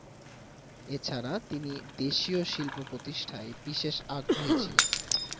এছাড়া তিনি দেশীয় শিল্প-প্রতিষ্ঠায় বিশেষ আগ্রহী ছিলেন।